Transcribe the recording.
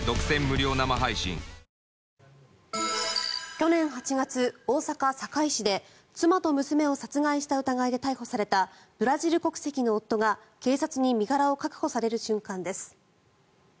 去年８月、大阪・堺市で妻と娘を殺害した疑いで逮捕されたブラジル国籍の夫が警察に身柄を確保される瞬間です。